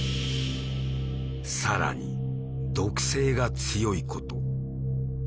更に毒性が強いこと。